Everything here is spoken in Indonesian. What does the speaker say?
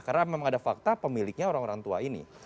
karena memang ada fakta pemiliknya orang orang tua ini